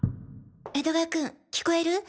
江戸川君聞こえる？